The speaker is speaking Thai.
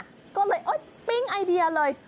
ก็เลยปิ้งไอเดียเลย